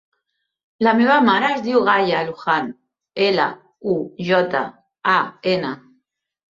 La meva mare es diu Gaia Lujan: ela, u, jota, a, ena.